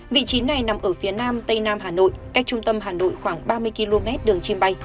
vị trí này nằm ở phía nam tây nam hà nội cách trung tâm hà nội khoảng ba mươi km đường chìm bay